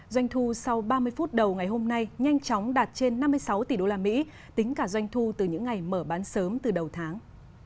doanh thu sau ba mươi phút đầu ngày hôm nay nhanh chóng đạt trên năm mươi sáu tỷ usd tính cả doanh thu từ những ngày mở bán sớm từ đầu tháng